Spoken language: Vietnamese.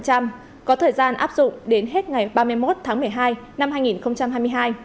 có thời gian áp dụng đến hết ngày ba mươi một tháng một mươi hai năm hai nghìn hai mươi hai